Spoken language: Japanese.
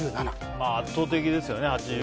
圧倒的ですね。